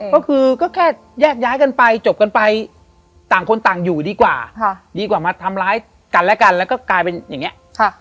ก็คือก็แค่แยกย้ายกันไปจบกันไปต่างคนต่างอยู่ดีกว่าดีกว่ามาทำร้ายกันและกันแล้วก็กลายเป็นอย่างนี้